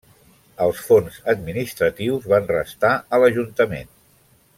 Els fons administratius van restar a l'Ajuntament.